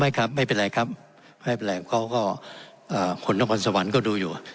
ครับไม่เป็นไรครับไม่เป็นไรเขาก็คนนครสวรรค์ก็ดูอยู่